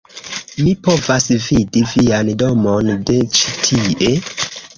mi povas vidi vian domon de ĉi-tie!